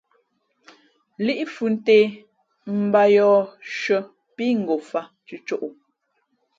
Líʼ fhʉ̄ ntē mbāt yōh shʉ̄ᾱ pí ngofāt cʉ̄cǒ.